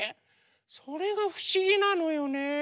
それがふしぎなのよね。